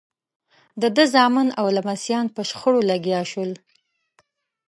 د ده زامن او لمسیان په شخړو لګیا شول.